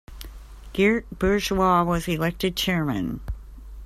Geert Bourgeois was elected chairman.